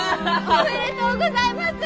おめでとうございます！